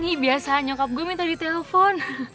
ini biasanya nyokap gue minta di telepon